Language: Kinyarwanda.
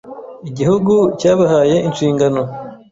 Igihugu cyabahaye inshingano